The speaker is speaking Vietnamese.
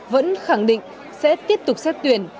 vẫn khẳng định sẽ tiếp tục xếp tuyển